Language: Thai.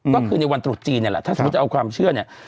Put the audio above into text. ก็คือในวันตรุษจีนเนี่ยแหละถ้าสมมุติจะเอาความเชื่อเนี่ย